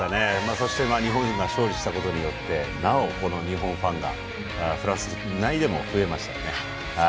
そして日本が勝利したことでなお日本ファンがフランス内でも増えましたね。